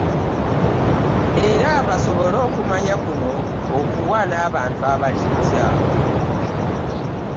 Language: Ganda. Era basobole okumanya kuno okuwa n'abantu abalijja.